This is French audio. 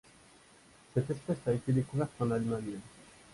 Cette espèce a été découverte en Allemagne.